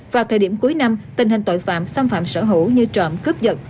vào thời điểm cuối năm tình hình tội phạm xâm phạm sở hữu như trộm cướp giật